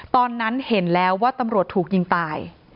ตอนนั้นเห็นแล้วว่าตำรวจถูกยิงตาย